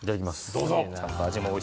どうぞ。